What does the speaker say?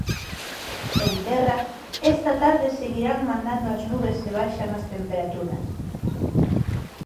En terra, esta tarde seguirán mandando as nubes e baixan as temperaturas.